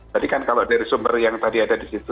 tadi kan kalau dari sumber yang tadi ada di situ